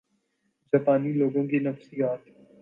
جاپانی لوگوں کی نفسیات